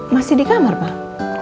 masih di kamar pak